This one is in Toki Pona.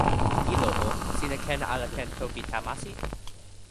ilo o, sina ken ala ken toki Tamasi?